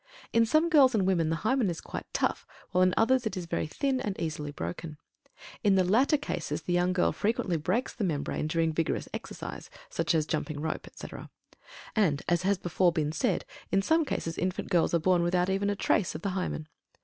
In some girls and women the Hymen is quite tough, while in others it is very thin and is easily broken. In the latter cases the young girl frequently breaks the membrane during vigorous exercise, such as jumping rope, etc. And, as has before been said, in some cases infant girls are born without even a trace of the Hymen.